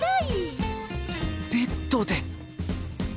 ベッドで